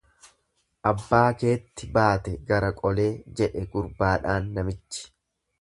Abbaa keetti baate gara qolee jedhe gurbaadhaan namichi.